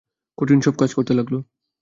কঠিন সব কাজ করতে লাগল।